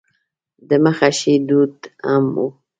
د مخه ښې دود هم و.